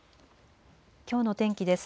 きょうの天気です。